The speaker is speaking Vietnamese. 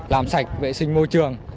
làm sạch vệ sinh môi trường